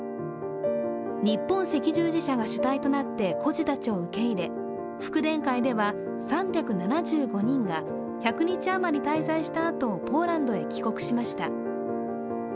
日本赤十字社が主体となって孤児たちを受け入れ、福田会では３７５人が１００日余り滞在したあとポーランドへ帰国しました。